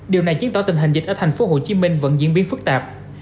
điều này chứng tỏ tình hình dịch ở tp hcm vẫn diễn biến phức tạp